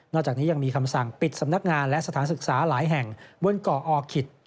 จากนี้ยังมีคำสั่งปิดสำนักงานและสถานศึกษาหลายแห่งบนเกาะอขิต